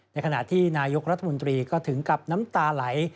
ในขณะที่นายกรัฐมนตรีก็ถึงกับน้ำตาไหล